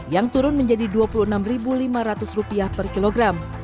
yang turun menjadi rp dua puluh enam lima ratus per kilogram